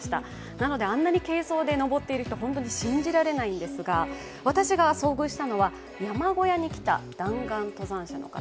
なのであんなに軽装で登っているっていうのは本当に信じられないんですが、私が遭遇したのは山小屋に来た弾丸登山者の方。